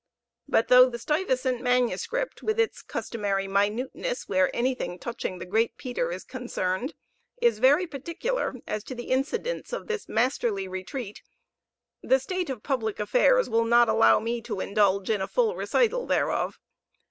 But though the Stuyvesant manuscript, with its customary minuteness where anything touching the great Peter is concerned, is very particular as to the incidents of this masterly retreat, the state of the public affairs will not allow me to indulge in a full recital thereof.